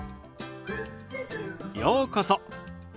ようこそ。